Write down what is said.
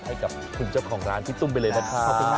ให้กับคุณเจ้าของร้านพี่ตุ้มไปเลยนะคะ